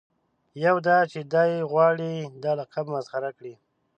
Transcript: یو دا چې دای غواړي دا لقب مسخره کړي.